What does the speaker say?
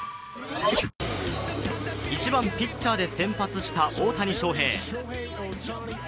１番・ピッチャーで先発した大谷翔平。